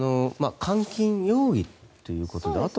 監禁容疑ということで。